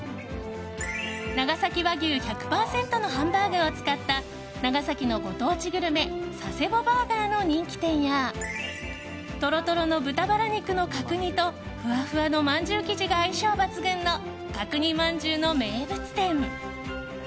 長崎和牛１００％のハンバーグを使った長崎のご当地グルメ佐世保バーガーの人気店やトロトロの豚バラ肉の角煮とふわふわのまんじゅう生地が相性抜群の角煮まんじゅうの名物店。